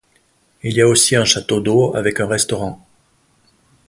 Il y a aussi un château d'eau avec un restaurant.